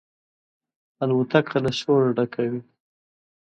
الوتکه له شوره ډکه وي.